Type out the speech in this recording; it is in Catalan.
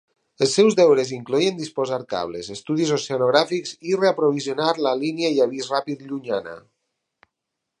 Els seus deures incloïen disposar cables, estudis oceanogràfics i reaprovisionar la línia d'avis ràpid llunyana.